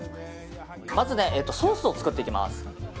まず、ソースを作っていきます。